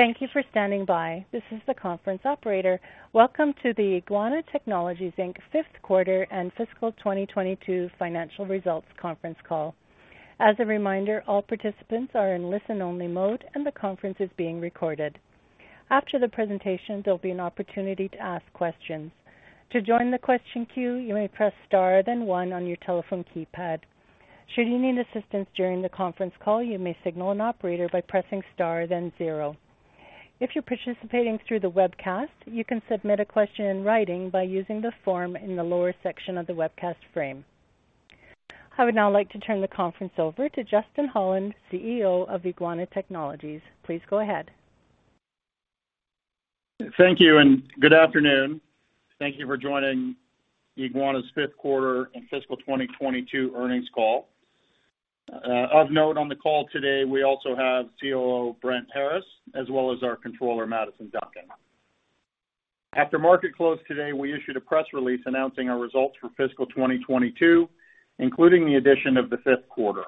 Thank you for standing by. This is the conference operator. Welcome to the Eguana Technologies Inc.'s Q5 and fiscal 2022 financial results conference call. As a reminder, all participants are in listen-only mode, and the conference is being recorded. After the presentation, there'll be an opportunity to ask questions. To join the question queue, you may press Star, then 1 on your telephone keypad. Should you need assistance during the conference call, you may signal an operator by pressing Star, then 0. If you're participating through the webcast, you can submit a question in writing by using the form in the lower section of the webcast frame. I would now like to turn the conference over to Justin Holland, CEO of Eguana Technologies. Please go ahead. Thank you. Good afternoon. Thank you for joining Eguana's Q5 and fiscal 2022 earnings call. Of note on the call today, we also have COO Brent Harris, as well as our controller, Maddison Duncan. After market close today, we issued a press release announcing our results for fiscal 2022, including the addition of Q5.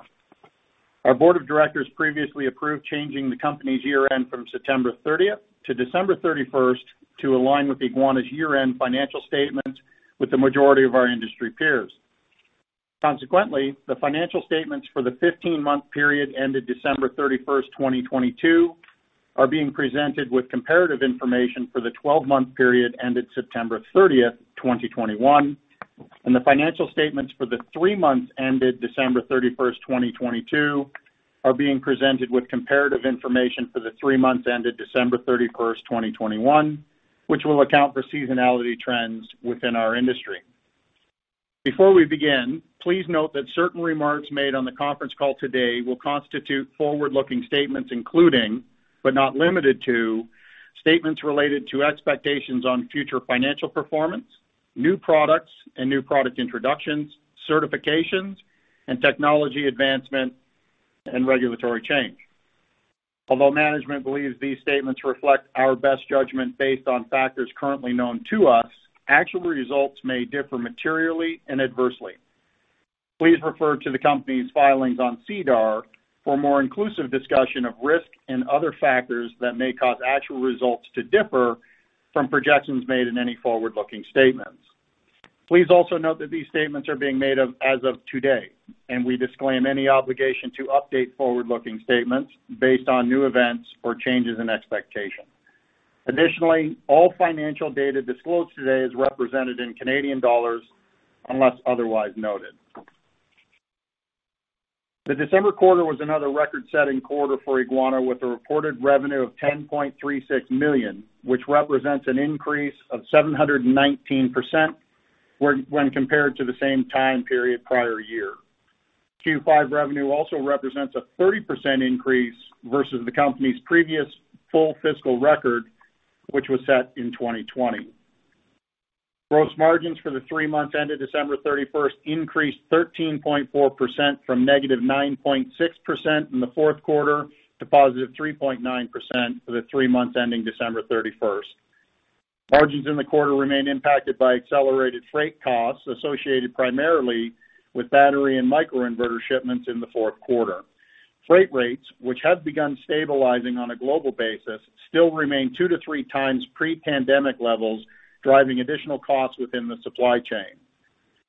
Our board of directors previously approved changing the company's year-end from September 30th to December 31st to align with Eguana's year-end financial statements with the majority of our industry peers. Consequently, the financial statements for the 15-month period ended December 31st, 2022 are being presented with comparative information for the 12-month period ended September 30th, 2021, and the financial statements for the 3 months ended December 31st, 2022 are being presented with comparative information for the three months ended December 31st, 2021, which will account for seasonality trends within our industry. Before we begin, please note that certain remarks made on the conference call today will constitute forward-looking statements, including, but not limited to, statements related to expectations on future financial performance, new products and new product introductions, certifications and technology advancement and regulatory change. Although management believes these statements reflect our best judgment based on factors currently known to us, actual results may differ materially and adversely. Please refer to the company's filings on SEDAR for more inclusive discussion of risk and other factors that may cause actual results to differ from projections made in any forward-looking statements. Please also note that these statements are being made as of today, and we disclaim any obligation to update forward-looking statements based on new events or changes in expectations. Additionally, all financial data disclosed today is represented in Canadian dollars, unless otherwise noted. The December quarter was another record-setting quarter for Eguana, with a reported revenue of 10.36 million, which represents an increase of 719% when compared to the same time period prior year. Q5 revenue also represents a 30% increase versus the company's previous full fiscal record, which was set in 2020. Gross margins for the three months ended December 31st increased 13.4% from -9.6% in Q4 to +3.9% for the thre months ending December 31st. Margins in the quarter remain impacted by accelerated freight costs associated primarily with battery and microinverter shipments in Q4. Freight rates, which have begun stabilizing on a global basis, still remain two to three times pre-pandemic levels, driving additional costs within the supply chain.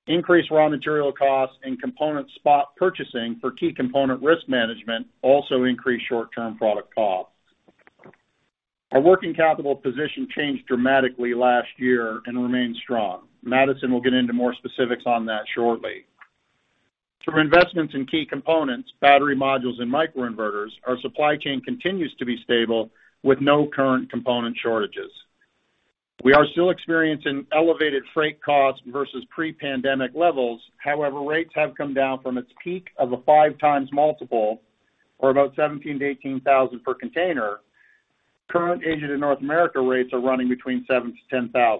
Increased raw material costs and component spot purchasing for key component risk management also increased short-term product costs. Our working capital position changed dramatically last year and remains strong. Maddison will get into more specifics on that shortly. Through investments in key components, battery modules and microinverters, our supply chain continues to be stable with no current component shortages. We are still experiencing elevated freight costs versus pre-pandemic levels. Rates have come down from its peak of a 5x multiple or about 17,000-18,000 per container. Current Asian to North America rates are running between 7,000-10,000.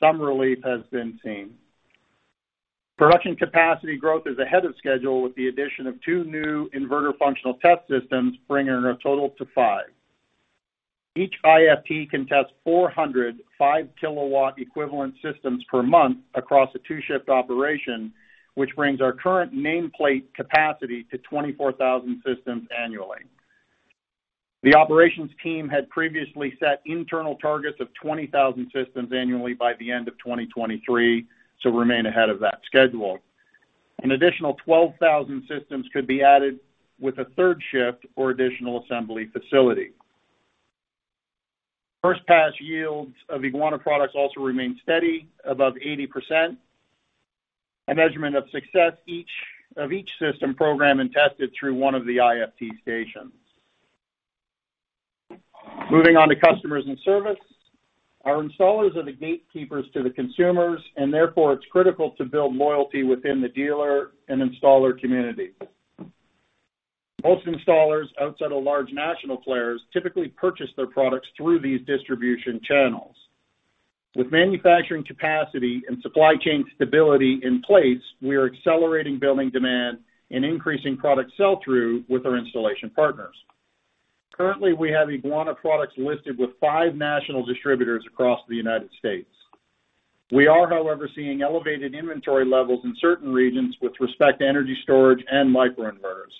Some relief has been seen. Production capacity growth is ahead of schedule with the addition of two new inverter functional test systems, bringing our total to five. Each IFT can test 405 kilowatt equivalent systems per month across a 2-shift operation, which brings our current nameplate capacity to 24,000 systems annually. The operations team had previously set internal targets of 20,000 systems annually by the end of 2023, remain ahead of that schedule. An additional 12,000 systems could be added with a third shift or additional assembly facility. First pass yields of Eguana products also remain steady above 80%, a measurement of success of each system program and tested through one of the IFT stations. Moving on to customers and service. Our installers are the gatekeepers to the consumers, and therefore it's critical to build loyalty within the dealer and installer community. Most installers outside of large national players typically purchase their products through these distribution channels. With manufacturing capacity and supply chain stability in place, we are accelerating building demand and increasing product sell-through with our installation partners. Currently, we have Eguana products listed with five national distributors across the United States. We are, however, seeing elevated inventory levels in certain regions with respect to energy storage and microinverters.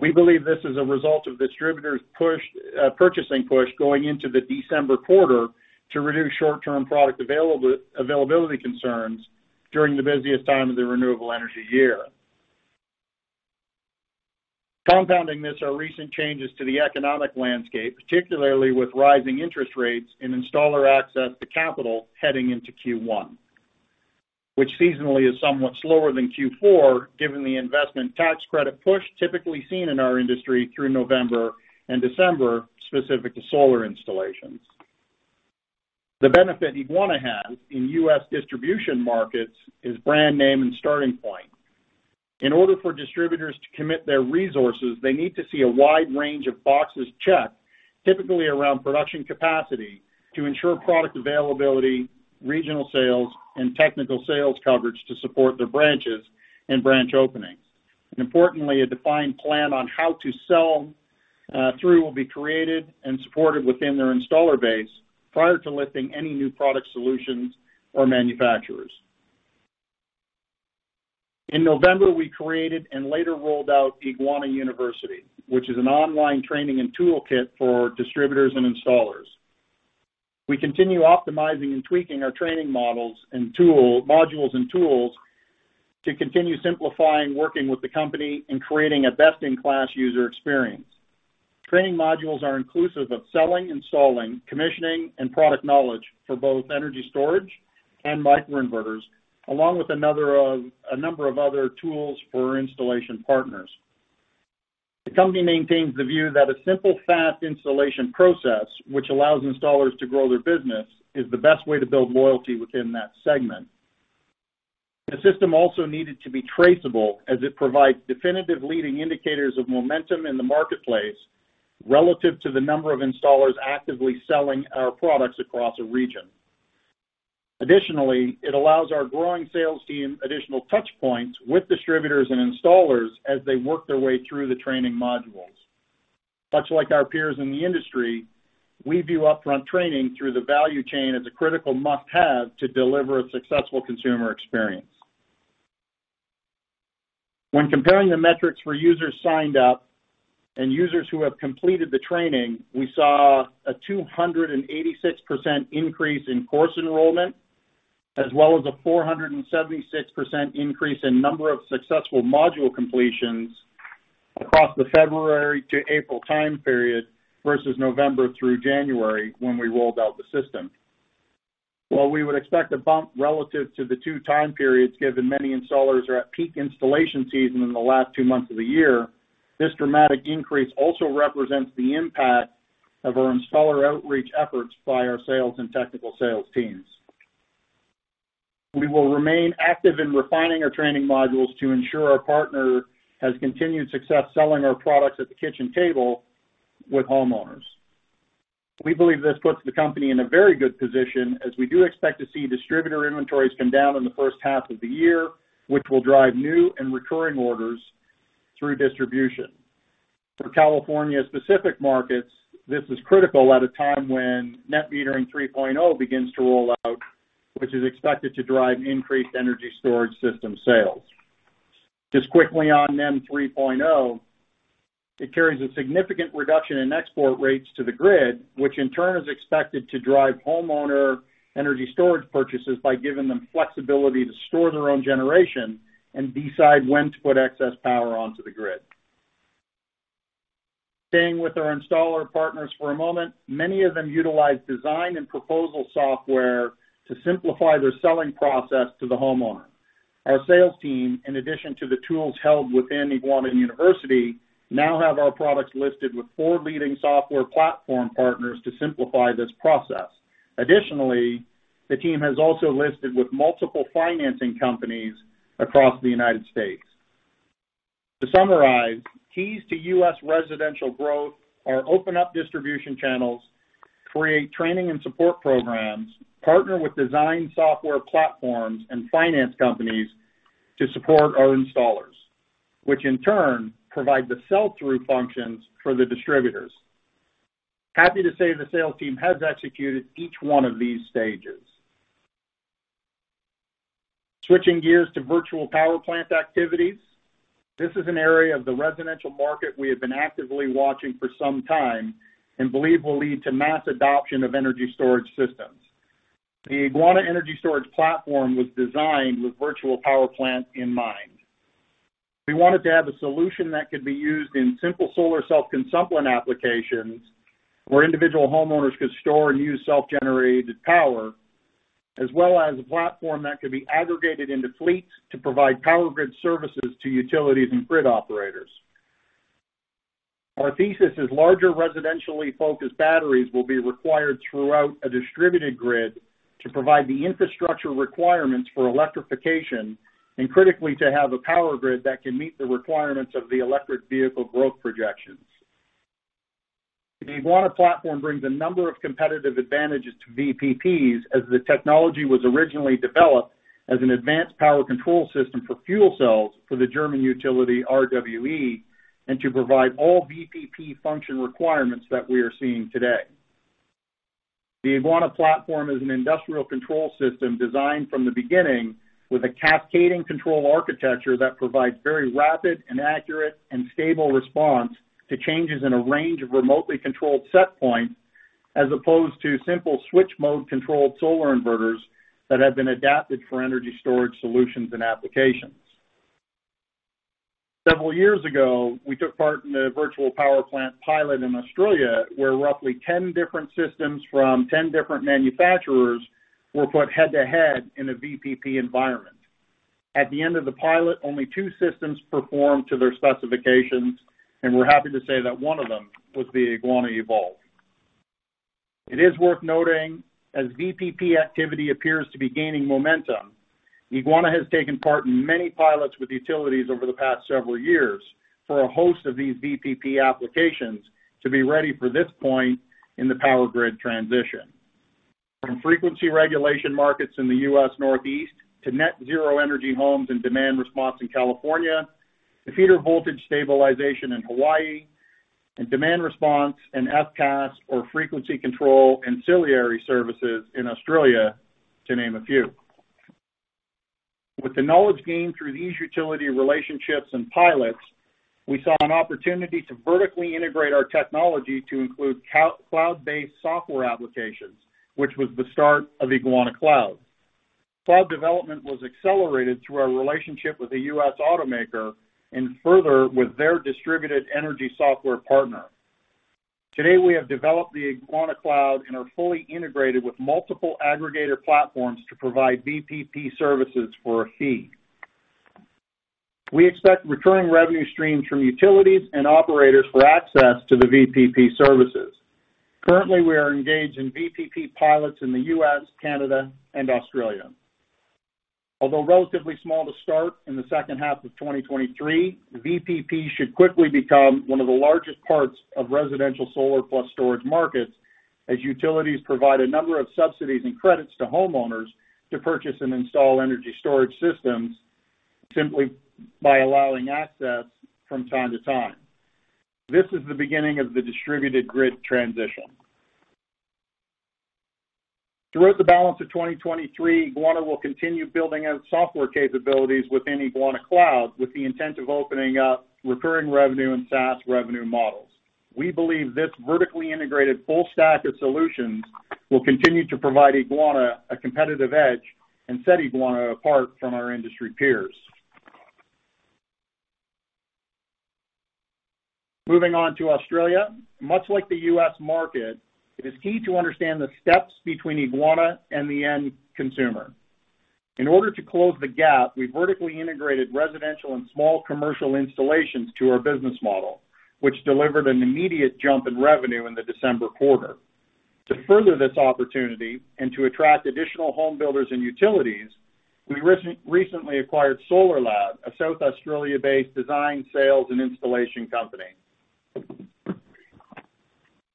We believe this is a result of distributors purchasing push going into the December quarter to reduce short-term product availability concerns during the busiest time of the renewable energy year. Compounding this are recent changes to the economic landscape, particularly with rising interest rates and installer access to capital heading into Q1. Seasonally is somewhat slower than Q4, given the investment tax credit push typically seen in our industry through November and December specific to solar installations. The benefit Eguana has in US distribution markets is brand name and starting point. In order for distributors to commit their resources, they need to see a wide range of boxes checked, typically around production capacity to ensure product availability, regional sales and technical sales coverage to support their branches and branch openings. Importantly, a defined plan on how to sell through will be created and supported within their installer base prior to lifting any new product solutions or manufacturers. In November, we created and later rolled out Eguana University, which is an online training and toolkit for distributors and installers. We continue optimizing and tweaking our training models and modules and tools to continue simplifying working with the company and creating a best-in-class user experience. Training modules are inclusive of selling, installing, commissioning and product knowledge for both energy storage and microinverters, along with a number of other tools for our installation partners. The company maintains the view that a simple, fast installation process, which allows installers to grow their business, is the best way to build loyalty within that segment. The system also needed to be traceable as it provides definitive leading indicators of momentum in the marketplace relative to the number of installers actively selling our products across a region. Additionally, it allows our growing sales team additional touch points with distributors and installers as they work their way through the training modules. Much like our peers in the industry, we view upfront training through the value chain as a critical must-have to deliver a successful consumer experience. When comparing the metrics for users signed up and users who have completed the training, we saw a 286% increase in course enrollment, as well as a 476% increase in number of successful module completions across the February to April time period versus November through January when we rolled out the system. While we would expect a bump relative to the two time periods, given many installers are at peak installation season in the last two months of the year, this dramatic increase also represents the impact of our installer outreach efforts by our sales and technical sales teams. We will remain active in refining our training modules to ensure our partner has continued success selling our products at the kitchen table with homeowners. We believe this puts the company in a very good position as we do expect to see distributor inventories come down in the first half of the year, which will drive new and recurring orders through distribution. For California-specific markets, this is critical at a time when net metering 3.0 begins to roll out, which is expected to drive increased energy storage system sales. Just quickly on NEM 3.0, it carries a significant reduction in export rates to the grid, which in turn is expected to drive homeowner energy storage purchases by giving them flexibility to store their own generation and decide when to put excess power onto the grid. Staying with our installer partners for a moment, many of them utilize design and proposal software to simplify their selling process to the homeowner. Our sales team, in addition to the tools held within Eguana University, now have our products listed with four leading software platform partners to simplify this process. Additionally, the team has also listed with multiple financing companies across the United States. To summarize, keys to U.S. residential growth are open up distribution channels, create training and support programs, partner with design software platforms and finance companies to support our installers, which in turn provide the sell-through functions for the distributors. Happy to say the sales team has executed each one of these stages. Switching gears to virtual power plant activities. This is an area of the residential market we have been actively watching for some time and believe will lead to mass adoption of energy storage systems. The Eguana Energy Storage platform was designed with virtual power plant in mind. We wanted to have a solution that could be used in simple solar self-consumption applications, where individual homeowners could store and use self-generated power, as well as a platform that could be aggregated into fleets to provide power grid services to utilities and grid operators. Our thesis is larger residentially focused batteries will be required throughout a distributed grid to provide the infrastructure requirements for electrification, and critically, to have a power grid that can meet the requirements of the electric vehicle growth projections. The Eguana platform brings a number of competitive advantages to VPPs as the technology was originally developed as an advanced power control system for fuel cells for the German utility RWE, and to provide all VPP function requirements that we are seeing today. The Eguana platform is an industrial control system designed from the beginning with a cascading control architecture that provides very rapid and accurate and stable response to changes in a range of remotely controlled set points, as opposed to simple switch mode-controlled solar inverters that have been adapted for energy storage solutions and applications. Several years ago, we took part in the virtual power plant pilot in Australia, where roughly 10 different systems from 10 different manufacturers were put head-to-head in a VPP environment. At the end of the pilot, only two systems performed to their specifications, and we're happy to say that one of them was the Eguana Evolve. It is worth noting, as VPP activity appears to be gaining momentum, Eguana has taken part in many pilots with utilities over the past several years for a host of these VPP applications to be ready for this point in the power grid transition. From frequency regulation markets in the U.S. Northeast to net zero energy homes and demand response in California, to feeder voltage stabilization in Hawaii, and demand response and FCAS, or frequency control ancillary services in Australia, to name a few. With the knowledge gained through these utility relationships and pilots, we saw an opportunity to vertically integrate our technology to include cloud-based software applications, which was the start of Eguana Cloud. Cloud development was accelerated through our relationship with the U.S. automaker and further with their distributed energy software partner. Today, we have developed the Eguana Cloud and are fully integrated with multiple aggregator platforms to provide VPP services for a fee. We expect recurring revenue streams from utilities and operators for access to the VPP services. Currently, we are engaged in VPP pilots in the U.S., Canada, and Australia. Although relatively small to start in the second half of 2023, VPP should quickly become one of the largest parts of residential solar plus storage markets as utilities provide a number of subsidies and credits to homeowners to purchase and install energy storage systems simply by allowing access from time to time. This is the beginning of the distributed grid transition. Throughout the balance of 2023, Eguana will continue building out software capabilities within Eguana Cloud with the intent of opening up recurring revenue and SaaS revenue models. We believe this vertically integrated full stack of solutions will continue to provide Eguana a competitive edge and set Eguana apart from our industry peers. Moving on to Australia. Much like the US market, it is key to understand the steps between Eguana and the end consumer. In order to close the gap, we vertically integrated residential and small commercial installations to our business model, which delivered an immediate jump in revenue in the December quarter. To further this opportunity and to attract additional home builders and utilities, we recently acquired SolarLab, a South Australia-based design, sales, and installation company.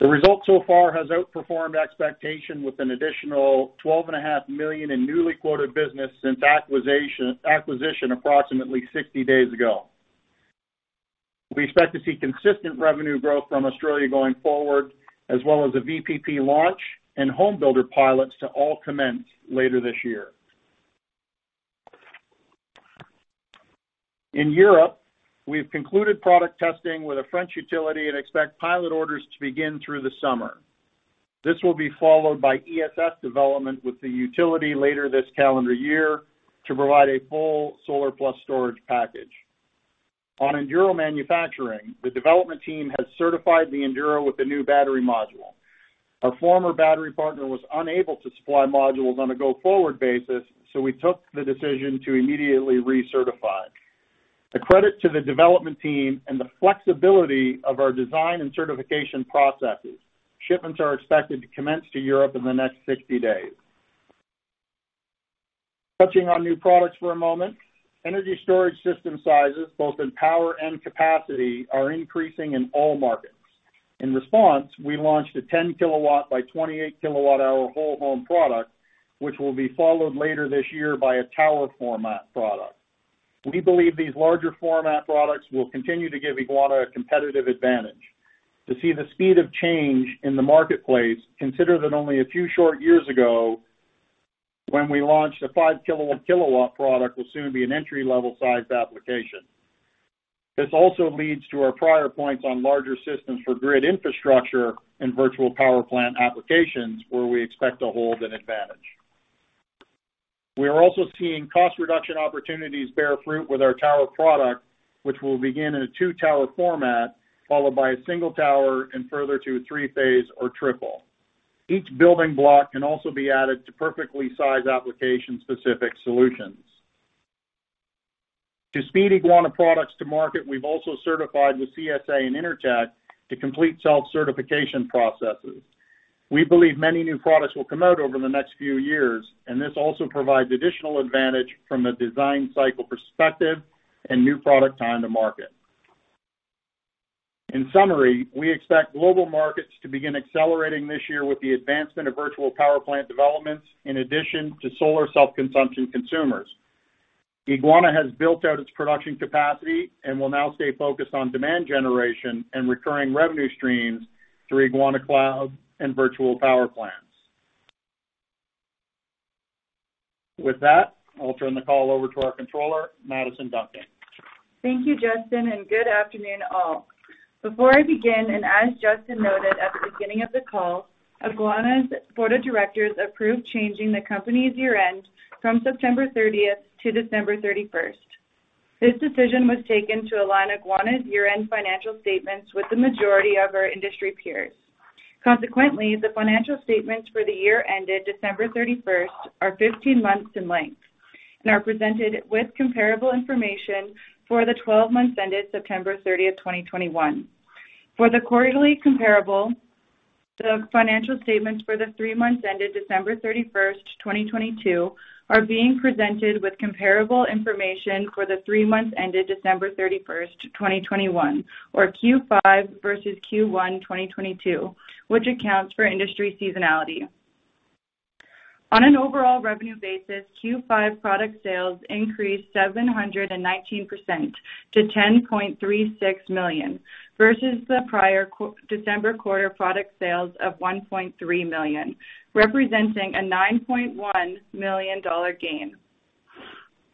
The result so far has outperformed expectation with an additional twelve and a half million in newly quoted business since acquisition approximately 60 days ago. We expect to see consistent revenue growth from Australia going forward, as well as a VPP launch and home builder pilots to all commence later this year. In Europe, we've concluded product testing with a French utility and expect pilot orders to begin through the summer. This will be followed by ESS development with the utility later this calendar year to provide a full solar-plus storage package. On Enduro manufacturing, the development team has certified the Enduro with a new battery module. Our former battery partner was unable to supply modules on a go-forward basis, so we took the decision to immediately recertify. A credit to the development team and the flexibility of our design and certification processes. Shipments are expected to commence to Europe in the next 60 days. Touching on new products for a moment. Energy storage system sizes, both in power and capacity, are increasing in all markets. In response, we launched a 10-kilowatt by 28 kilowatt-hour whole home product, which will be followed later this year by a tower format product. We believe these larger format products will continue to give Eguana a competitive advantage. To see the speed of change in the marketplace, consider that only a few short years ago, when we launched a 5-kilowatt product will soon be an entry-level sized application. This also leads to our prior points on larger systems for grid infrastructure and virtual power plant applications where we expect to hold an advantage. We are also seeing cost reduction opportunities bear fruit with our tower product, which will begin in a 2-tower format, followed by a single tower and further to 3-phase or triple. Each building block can also be added to perfectly sized application-specific solutions. To speed Eguana products to market, we've also certified with CSA and Intertek to complete self-certification processes. We believe many new products will come out over the next few years, and this also provides additional advantage from a design cycle perspective and new product time to market. In summary, we expect global markets to begin accelerating this year with the advancement of virtual power plant developments in addition to solar self-consumption consumers. Eguana has built out its production capacity and will now stay focused on demand generation and recurring revenue streams through Eguana Cloud and virtual power plants. With that, I'll turn the call over to our Controller, Maddison Duncan. Thank you, Justin. Good afternoon, all. Before I begin, as Justin noted at the beginning of the call, Eguana's board of directors approved changing the company's year-end from September 30th to December 31st. This decision was taken to align Eguana's year-end financial statements with the majority of our industry peers. Consequently, the financial statements for the year ended December 31st are 15 months in length and are presented with comparable information for the 12 months ended September 30th, 2021. For the quarterly comparable, the financial statements for the 3 months ended December 31st, 2022 are being presented with comparable information for the 3 months ended December 31st, 2021, or Q5 versus Q1, 2022, which accounts for industry seasonality. On an overall revenue basis, Q5 product sales increased 719% to 10.36 million versus the prior December quarter product sales of 1.3 million, representing a 9.1 million dollar gain.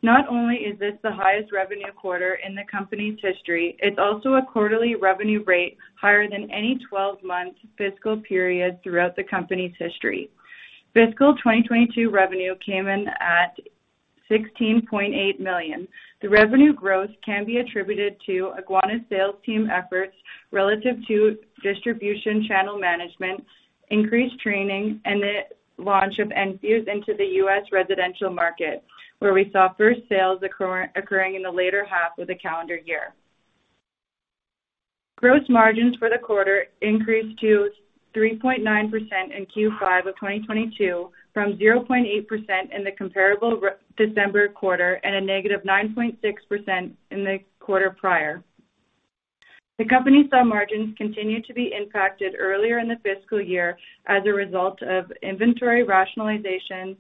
Not only is this the highest revenue quarter in the company's history, it's also a quarterly revenue rate higher than any 12-month fiscal period throughout the company's history. Fiscal 2022 revenue came in at 16.8 million. The revenue growth can be attributed to Eguana's sales team efforts relative to distribution channel management, increased training, and the launch of Enfuse into the U.S. residential market, where we saw first sales occurring in the later half of the calendar year. Gross margins for the quarter increased to 3.9% in Q5 of 2022 from 0.8% in the comparable December quarter and a -9.6% in the quarter prior. The company's margins continued to be impacted earlier in the fiscal year as a result of inventory rationalizations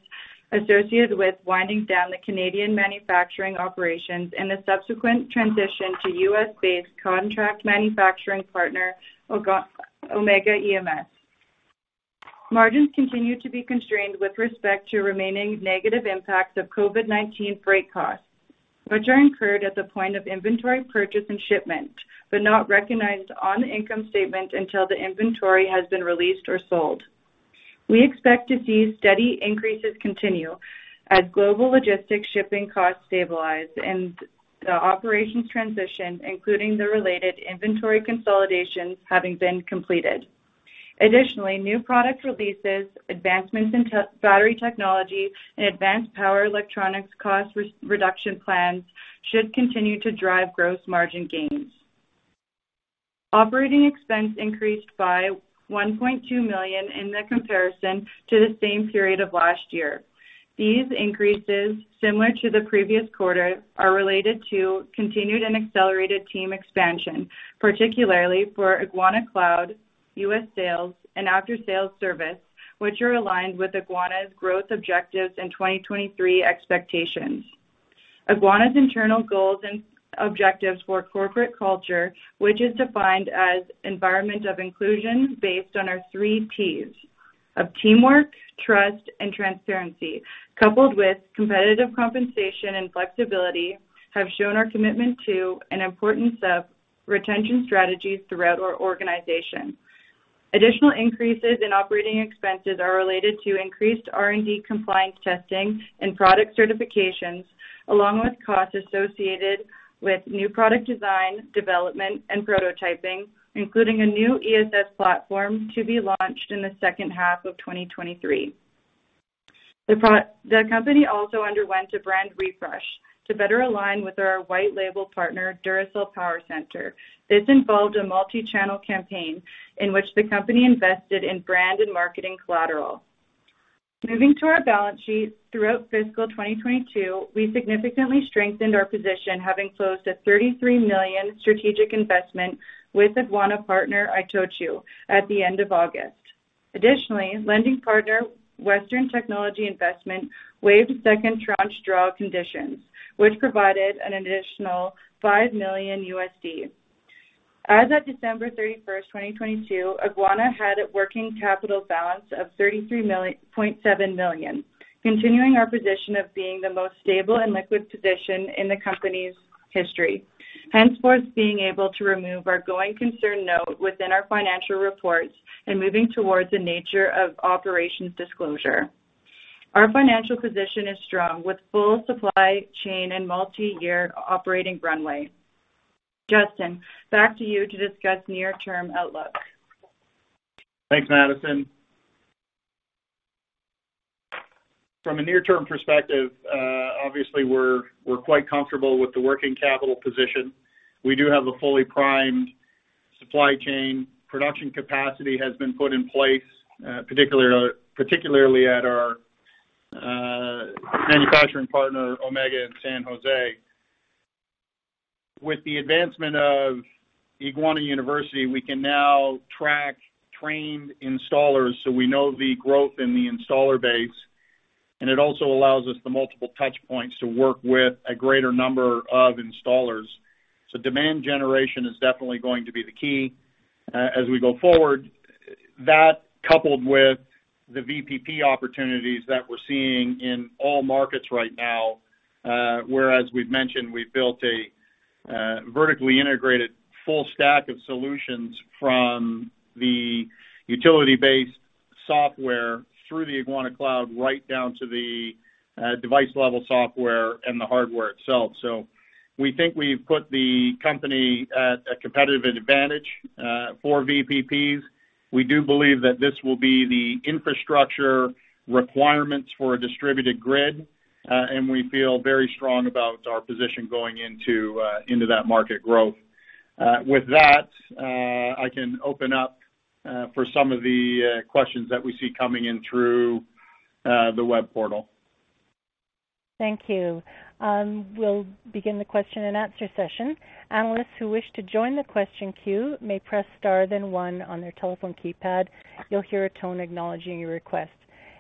associated with winding down the Canadian manufacturing operations and the subsequent transition to US-based contract manufacturing partner Omega EMS. Margins continued to be constrained with respect to remaining negative impacts of COVID-19 freight costs, which are incurred at the point of inventory purchase and shipment, but not recognized on the income statement until the inventory has been released or sold. We expect to see steady increases continue as global logistics shipping costs stabilize and the operations transition, including the related inventory consolidations having been completed. Additionally, new product releases, advancements in battery technology, and advanced power electronics cost reduction plans should continue to drive gross margin gains. Operating expense increased by 1.2 million in the comparison to the same period of last year. These increases, similar to the previous quarter, are related to continued and accelerated team expansion, particularly for Eguana Cloud, U.S. sales, and after-sales service, which are aligned with Eguana's growth objectives and 2023 expectations. Eguana's internal goals and objectives for corporate culture, which is defined as environment of inclusion based on our three Ts of teamwork, trust, and transparency, coupled with competitive compensation and flexibility, have shown our commitment to and importance of retention strategies throughout our organization. Additional increases in operating expenses are related to increased R&D compliance testing and product certifications, along with costs associated with new product design, development, and prototyping, including a new ESS platform to be launched in the second half of 2023. The company also underwent a brand refresh to better align with our white label partner, Duracell Power Center. This involved a multi-channel campaign in which the company invested in brand and marketing collateral. Moving to our balance sheet, throughout fiscal 2022, we significantly strengthened our position, having closed a 33 million strategic investment with Eguana partner, ITOCHU, at the end of August. Lending partner Western Technology Investment waived second tranche draw conditions, which provided an additional $5 million. As of December 31, 2022, Eguana had a working capital balance of 33.7 million, continuing our position of being the most stable and liquid position in the company's history. Henceforth, being able to remove our going concern note within our financial reports and moving towards the nature of operations disclosure. Our financial position is strong with full supply chain and multi-year operating runway. Justin, back to you to discuss near-term outlook. Thanks, Maddison. From a near-term perspective, obviously we're quite comfortable with the working capital position. We do have a fully primed supply chain. Production capacity has been put in place, particularly at our manufacturing partner Omega in San Jose. With the advancement of Eguana University, we can now track trained installers, so we know the growth in the installer base, and it also allows us the multiple touch points to work with a greater number of installers. Demand generation is definitely going to be the key as we go forward. That coupled with the VPP opportunities that we're seeing in all markets right now, whereas we've mentioned we've built a vertically integrated full stack of solutions from the utility-based software through the Eguana Cloud right down to the device-level software and the hardware itself. We think we've put the company at a competitive advantage for VPPs. We do believe that this will be the infrastructure requirements for a distributed grid, and we feel very strong about our position going into that market growth. With that, I can open up for some of the questions that we see coming in through the web portal. Thank you. We'll begin the question and answer session. Analysts who wish to join the question queue may press Star then one on their telephone keypad. You'll hear a tone acknowledging your request.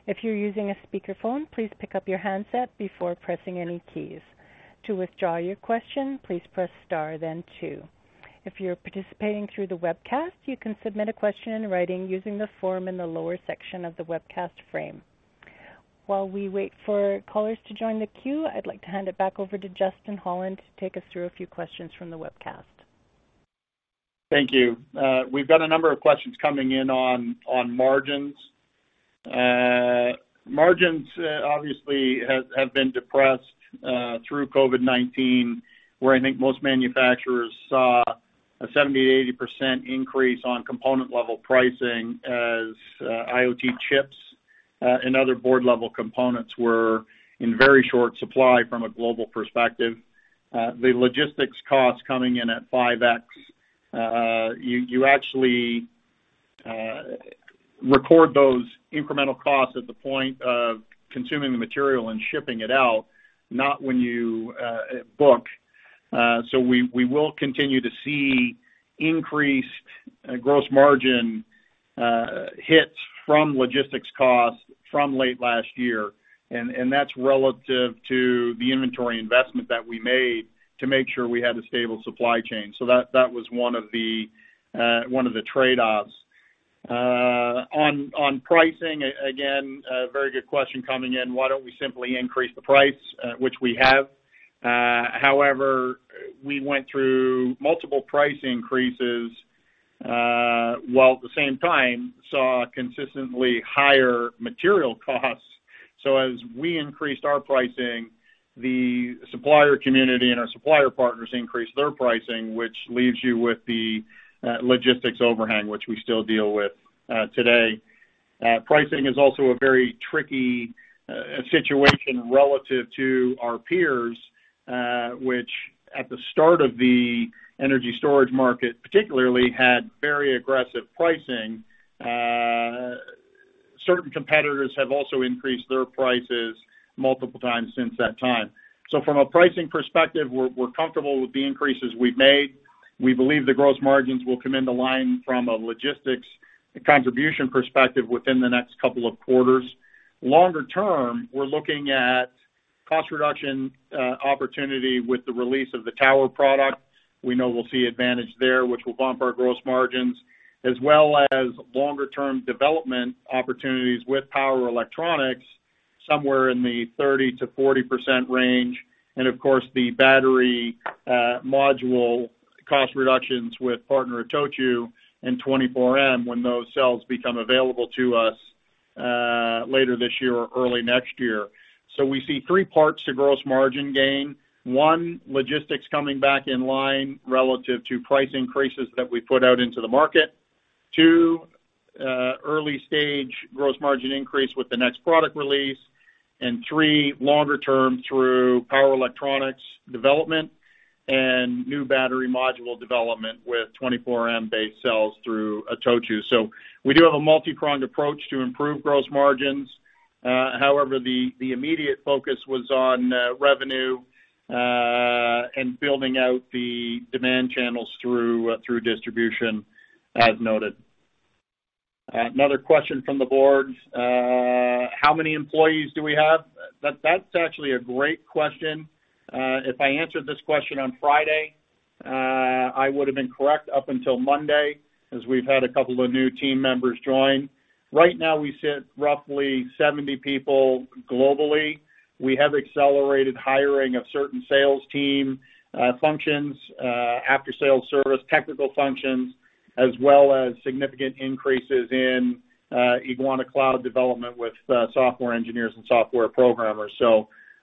If you're using a speakerphone, please pick up your handset before pressing any keys. To withdraw your question, please press Star then two. If you're participating through the webcast, you can submit a question in writing using the form in the lower section of the webcast frame. While we wait for callers to join the queue, I'd like to hand it back over to Justin Holland to take us through a few questions from the webcast. Thank you. We've got a number of questions coming in on margins. Margins obviously have been depressed through COVID-19, where I think most manufacturers saw a 70%-80% increase on component-level pricing as IoT chips and other board-level components were in very short supply from a global perspective. The logistics costs coming in at 5x. You actually record those incremental costs at the point of consuming the material and shipping it out, not when you book. We will continue to see increased gross margin hits from logistics costs from late last year, and that's relative to the inventory investment that we made to make sure we had a stable supply chain. That was one of the trade-offs. On pricing, again, a very good question coming in. Why don't we simply increase the price, which we have. However, we went through multiple price increases, while at the same time saw consistently higher material costs. As we increased our pricing, the supplier community and our supplier partners increased their pricing, which leaves you with the logistics overhang, which we still deal with today. Pricing is also a very tricky situation relative to our peers, which at the start of the energy storage market, particularly had very aggressive pricing. Certain competitors have also increased their prices multiple times since that time. From a pricing perspective, we're comfortable with the increases we've made. We believe the gross margins will come into line from a logistics contribution perspective within the next couple of quarters. Longer term, we're looking at cost reduction opportunity with the release of the tower product. We know we'll see advantage there, which will bump our gross margins, as well as longer term development opportunities with power electronics somewhere in the 30%-40% range. Of course, the battery module cost reductions with partner ITOCHU and 24M Technologies when those cells become available to us later this year or early next year. We see three parts to gross margin gain. One, logistics coming back in line relative to price increases that we put out into the market. Two, early stage gross margin increase with the next product release. Three, longer term through power electronics development and new battery module development with 24M Technologies-based cells through ITOCHU. We do have a multi-pronged approach to improve gross margins. However, the immediate focus was on revenue and building out the demand channels through distribution, as noted. Another question from the board. How many employees do we have? That's actually a great question. If I answered this question on Friday, I would have been correct up until Monday, as we've had a couple of new team members join. Right now, we sit roughly 70 people globally. We have accelerated hiring of certain sales team functions, after sales service, technical functions, as well as significant increases in Eguana Cloud development with software engineers and software programmers.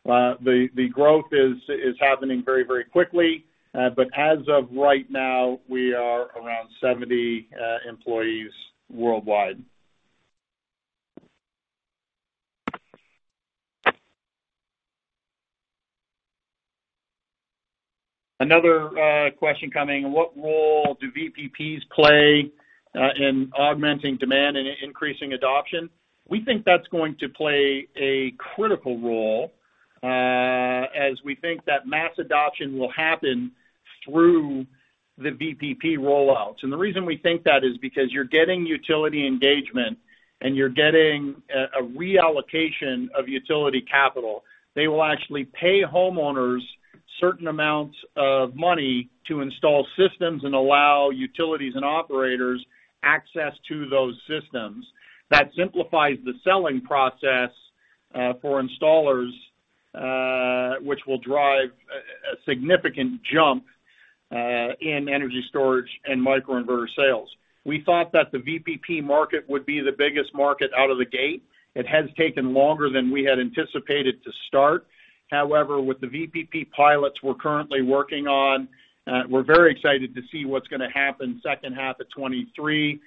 The growth is happening very, very quickly. But as of right now, we are around 70 employees worldwide. Another question coming. What role do VPPs play in augmenting demand and increasing adoption? We think that's going to play a critical role, as we think that mass adoption will happen through the VPP rollouts. The reason we think that is because you're getting utility engagement and you're getting a reallocation of utility capital. They will actually pay homeowners certain amounts of money to install systems and allow utilities and operators access to those systems. That simplifies the selling process for installers, which will drive a significant jump in energy storage and microinverter sales. We thought that the VPP market would be the biggest market out of the gate. It has taken longer than we had anticipated to start. With the VPP pilots we're currently working on, we're very excited to see what's gonna happen second half of 2023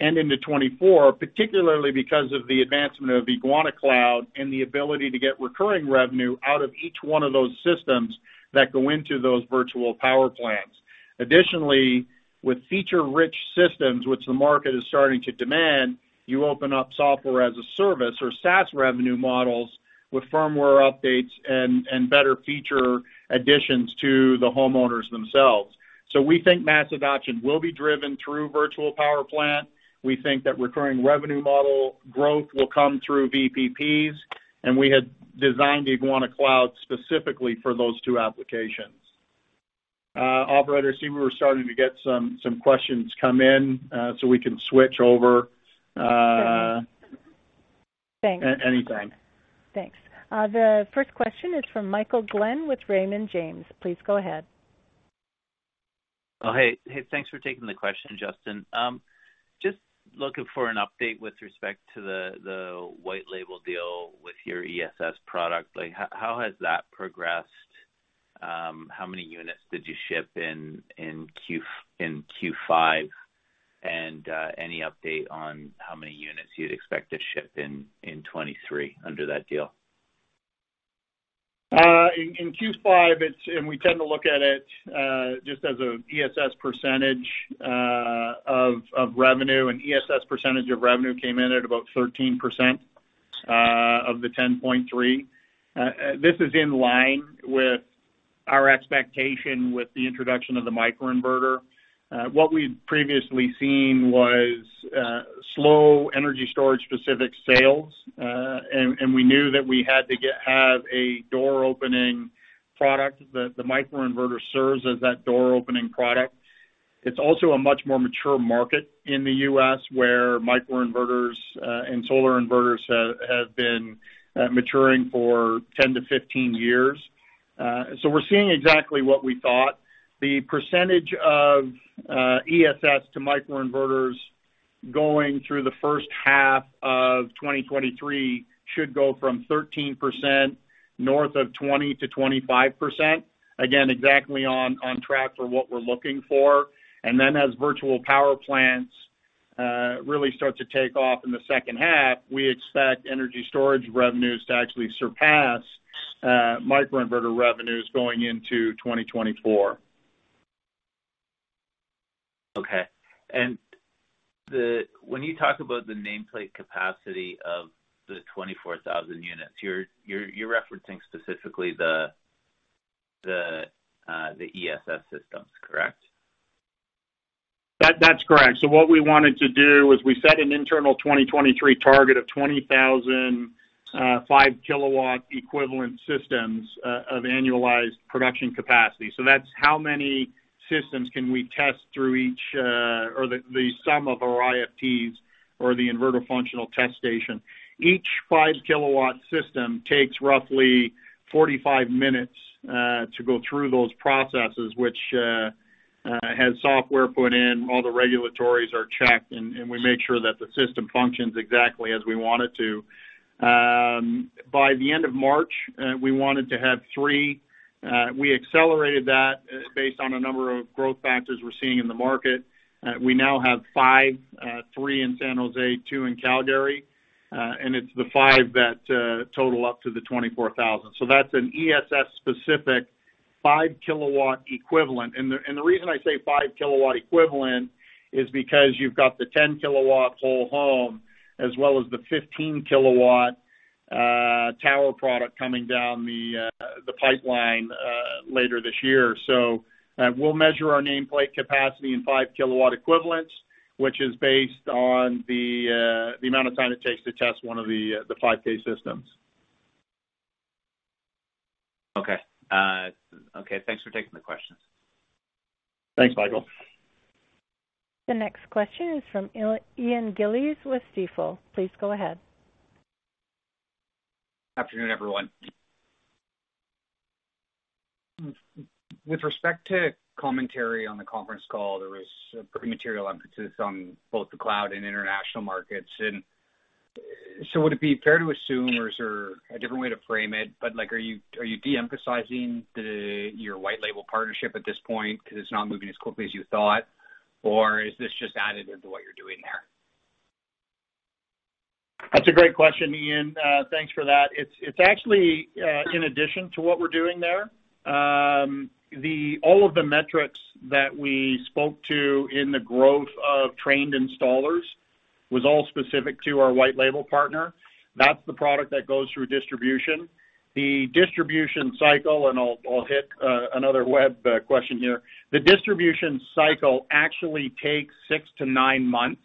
and into 2024, particularly because of the advancement of Eguana Cloud and the ability to get recurring revenue out of each one of those systems that go into those virtual power plants. With feature-rich systems, which the market is starting to demand, you open up software-as-a-service or SaaS revenue models with firmware updates and better feature additions to the homeowners themselves. We think mass adoption will be driven through virtual power plant. We think that recurring revenue model growth will come through VPPs. We had designed the Eguana Cloud specifically for those two applications. Operator, I see we were starting to get some questions come in. We can switch over. Sure. Thanks. Anytime. Thanks. The first question is from Michael Glen with Raymond James. Please go ahead. Oh, hey. Hey, thanks for taking the question, Justin. Just looking for an update with respect to the white label deal with your ESS product. Like, how has that progressed? How many units did you ship in Q5? Any update on how many units you'd expect to ship in 2023 under that deal? In Q5, we tend to look at it just as a ESS percentage of revenue. ESS percentage of revenue came in at about 13% of the 10.3. This is in line with our expectation with the introduction of the microinverter. What we'd previously seen was slow energy storage specific sales. We knew that we had to have a door-opening product. The microinverter serves as that door-opening product. It's also a much more mature market in the U.S., where microinverters and solar inverters have been maturing for 10-15 years. We're seeing exactly what we thought. The percentage of ESS to microinverters going through the first half of 2023 should go from 13% north of 20%-25%. Exactly on track for what we're looking for. As virtual power plants really start to take off in the second half, we expect energy storage revenues to actually surpass microinverter revenues going into 2024. Okay. when you talk about the nameplate capacity of the 24,000 units, you're referencing specifically the ESS systems, correct? That's correct. What we wanted to do is we set an internal 2023 target of 20,000, 5 kilowatt equivalent systems of annualized production capacity. That's how many systems can we test through each or the sum of our IFTs or the inverter functional test station. Each 5 kilowatt system takes roughly 45 minutes to go through those processes, which has software put in, all the regulatories are checked, and we make sure that the system functions exactly as we want it to. By the end of March, we wanted to have 3. We accelerated that based on a number of growth factors we're seeing in the market. We now have 5, 3 in San Jose, 2 in Calgary. It's the 5 that total up to the 24,000. That's an ESS specific 5 kilowatt equivalent. The reason I say 5 kilowatt equivalent is because you've got the 10 kilowatt whole home as well as the 15 kilowatt tower product coming down the pipeline later this year. We'll measure our nameplate capacity in 5 kilowatt equivalents, which is based on the amount of time it takes to test one of the 5K systems. Okay. Okay. Thanks for taking the questions. Thanks, Michael. The next question is from Ian Gillies with Stifel. Please go ahead. Afternoon, everyone. With respect to commentary on the conference call, there was a pretty material emphasis on both the Eguana Cloud and international markets. Would it be fair to assume, or is there a different way to frame it, but, like, are you de-emphasizing your white label partnership at this point because it's not moving as quickly as you thought? Or is this just additive to what you're doing there? That's a great question, Ian. Thanks for that. It's actually in addition to what we're doing there. All of the metrics that we spoke to in the growth of trained installers was all specific to our white label partner. That's the product that goes through distribution. The distribution cycle, I'll hit another web question here. The distribution cycle actually takes six to nine months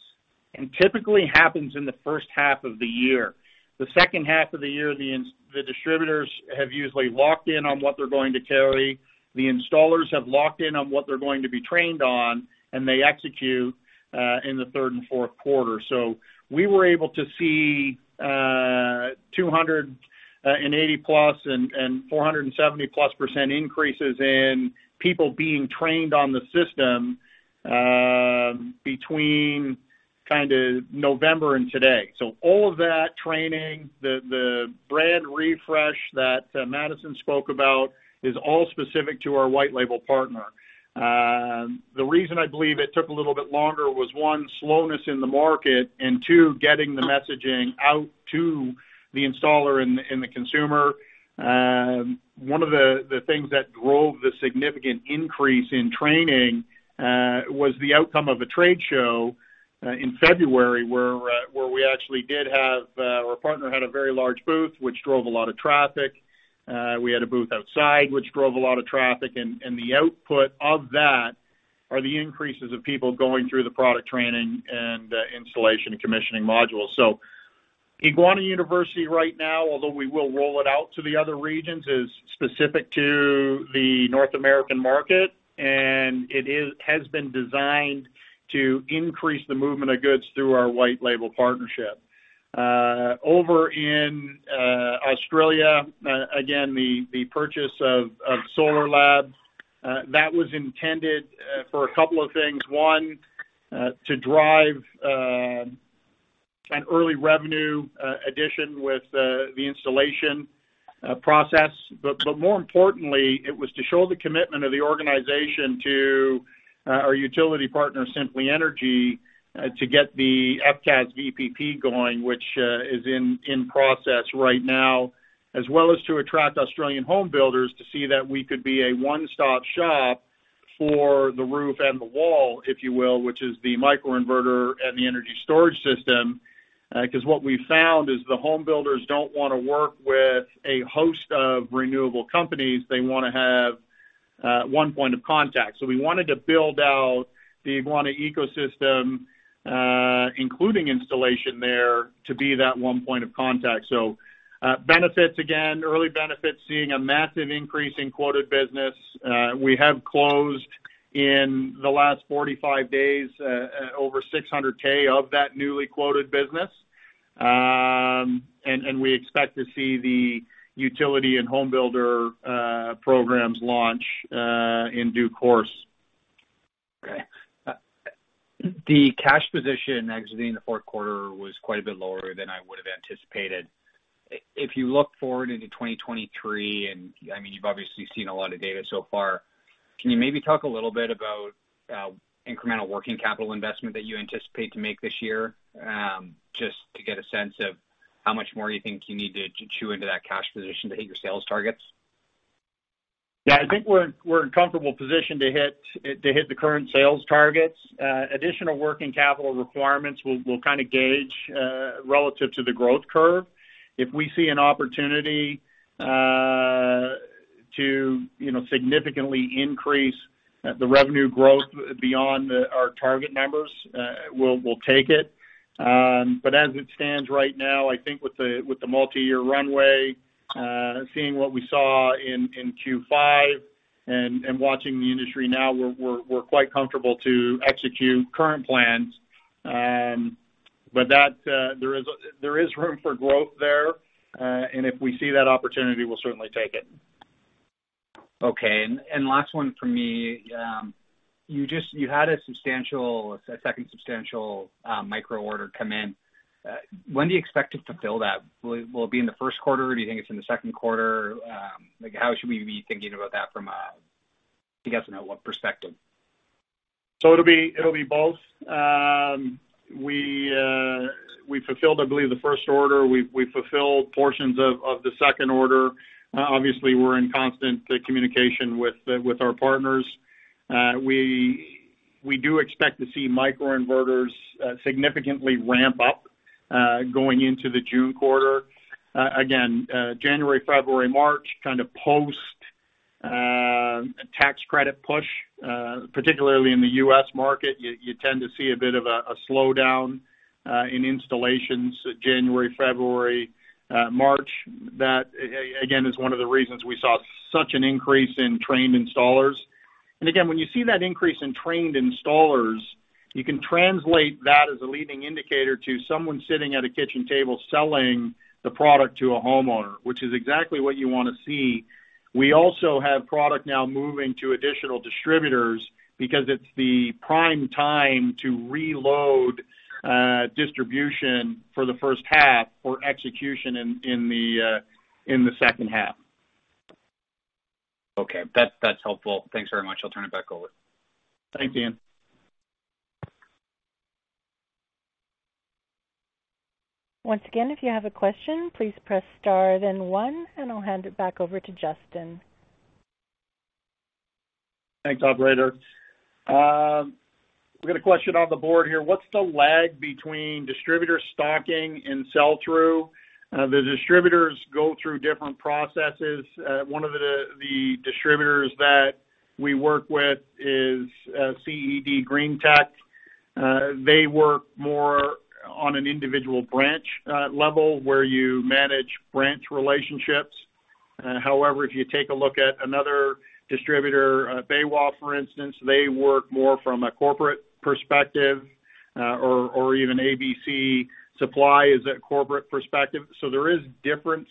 and typically happens in the first half of the year. The second half of the year, the distributors have usually locked in on what they're going to carry. The installers have locked in on what they're going to be trained on, they execute in Q3 and Q4. We were able to see 280-plus and 470-plus % increases in people being trained on the system between kinda November and today. All of that training, the brand refresh that Maddison spoke about is all specific to our white label partner. The reason I believe it took a little bit longer was, one, slowness in the market, and two, getting the messaging out to the installer and the consumer. One of the things that drove the significant increase in training was the outcome of a trade show in February, where we actually did have our partner had a very large booth, which drove a lot of traffic. We had a booth outside, which drove a lot of traffic. The output of that are the increases of people going through the product training and installation and commissioning modules. Eguana University right now, although we will roll it out to the other regions, is specific to the North American market, and it has been designed to increase the movement of goods through our white label partnership. Over in Australia, again, the purchase of Solarlab, that was intended for a couple of things. One, to drive an early revenue addition with the installation process. More importantly, it was to show the commitment of the organization to our utility partner, Simply Energy, to get the FCAS VPP going, which is in process right now, as well as to attract Australian home builders to see that we could be a one-stop shop for the roof and the wall, if you will, which is the microinverter and the energy storage system. 'Cause what we found is the home builders don't wanna work with a host of renewable companies. They wanna have one point of contact. We wanted to build out the Eguana ecosystem, including installation there to be that one point of contact. Benefits again, early benefits, seeing a massive increase in quoted business. We have closed in the last 45 days over 600K of that newly quoted business. We expect to see the utility and home builder programs launch in due course. Okay. The cash position exiting Q4 was quite a bit lower than I would've anticipated. If you look forward into 2023, I mean, you've obviously seen a lot of data so far, can you maybe talk a little bit about incremental working capital investment that you anticipate to make this year? Just to get a sense of how much more you think you need to chew into that cash position to hit your sales targets. I think we're in comfortable position to hit the current sales targets. Additional working capital requirements, we'll kinda gauge relative to the growth curve. If we see an opportunity to, you know, significantly increase the revenue growth beyond our target numbers, we'll take it. As it stands right now, I think with the multi-year runway, seeing what we saw in Q5 and watching the industry now, we're quite comfortable to execute current plans. There is room for growth there. If we see that opportunity, we'll certainly take it. Okay. Last one from me. You had a second substantial micro order come in. When do you expect to fulfill that? Will it be in Q1, or do you think it's in Q2? Like, how should we be thinking about that from a, I guess, you know, what perspective? It'll be, it'll be both. We fulfilled, I believe, the first order. We fulfilled portions of the second order. Obviously, we're in constant communication with our partners. We do expect to see microinverters significantly ramp up going into the June quarter. Again, January, February, March, kind of post tax credit push, particularly in the U.S. market, you tend to see a bit of a slowdown in installations January, February, March. That again, is one of the reasons we saw such an increase in trained installers. Again, when you see that increase in trained installers, you can translate that as a leading indicator to someone sitting at a kitchen table selling the product to a homeowner, which is exactly what you want to see. We also have product now moving to additional distributors because it's the prime time to reload, distribution for the first half for execution in the second half. Okay. That's helpful. Thanks very much. I'll turn it back over. Thanks, Ian. Once again, if you have a question, please press star then one, and I'll hand it back over to Justin. Thanks, operator. We got a question on the board here. What's the lag between distributor stocking and sell-through? The distributors go through different processes. One of the distributors that we work with is CED Greentech. They work more on an individual branch level where you manage branch relationships. However, if you take a look at another distributor, BayWa, for instance, they work more from a corporate perspective, or even ABC Supply is that corporate perspective. There is difference,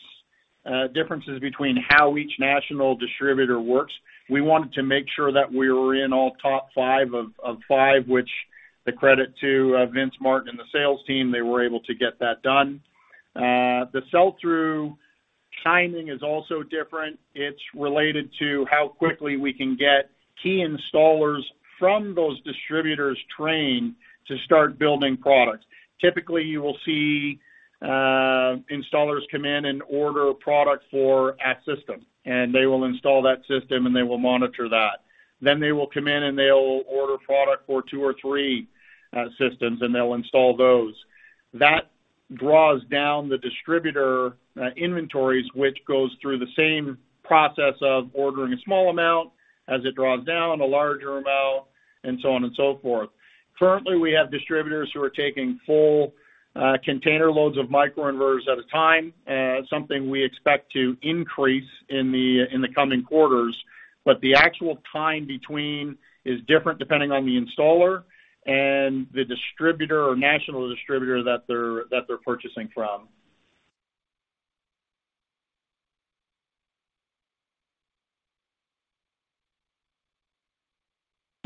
differences between how each national distributor works. We wanted to make sure that we were in all top five of five, which the credit to Vince Martin and the sales team, they were able to get that done. The sell-through timing is also different. It's related to how quickly we can get key installers from those distributors trained to start building products. Typically, you will see installers come in and order a product for a system, and they will install that system, and they will monitor that. They will come in, and they'll order product for two or three systems, and they'll install those. That draws down the distributor inventories, which goes through the same process of ordering a small amount as it draws down a larger amount and so on and so forth. Currently, we have distributors who are taking full container loads of microinverters at a time, something we expect to increase in the coming quarters. The actual time between is different depending on the installer and the distributor or national distributor that they're purchasing from.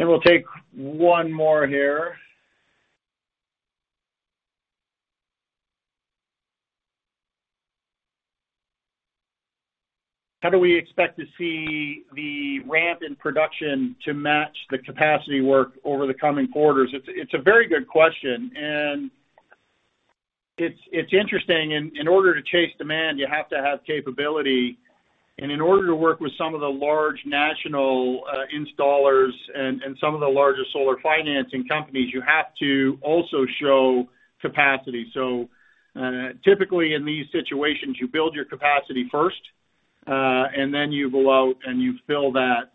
We'll take one more here. How do we expect to see the ramp in production to match the capacity work over the coming quarters? It's a very good question, and it's interesting. In order to chase demand, you have to have capability. In order to work with some of the large national installers and some of the larger solar financing companies, you have to also show capacity. Typically in these situations, you build your capacity first, and then you go out and you fill that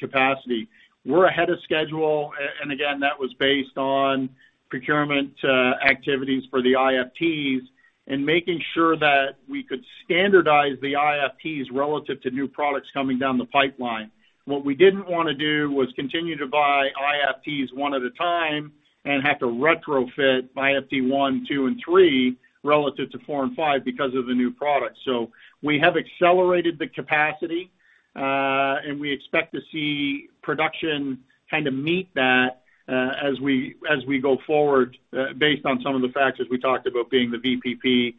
capacity. We're ahead of schedule. Again, that was based on procurement activities for the IFT and making sure that we could standardize the IFT relative to new products coming down the pipeline. What we didn't wanna do was continue to buy IFT one at a time and have to retrofit IFT one, two, and three relative to four and five because of the new product. We have accelerated the capacity, and we expect to see production kind of meet that as we go forward, based on some of the factors we talked about being the VPP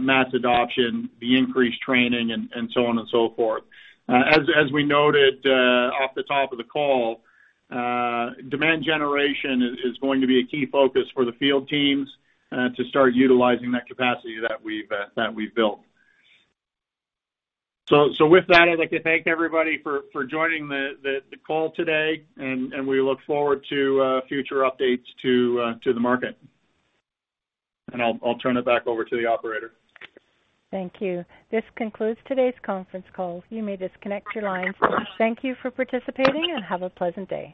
mass adoption, the increased training and so on and so forth. As we noted off the top of the call, demand generation is going to be a key focus for the field teams to start utilizing that capacity that we've built. With that, I'd like to thank everybody for joining the call today, and we look forward to future updates to the market. I'll turn it back over to the operator. Thank you. This concludes today's conference call. You may disconnect your lines. Thank you for participating and have a pleasant day.